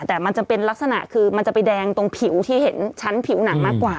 แต่มันจะเป็นลักษณะคือมันจะไปแดงตรงผิวที่เห็นชั้นผิวหนังมากกว่า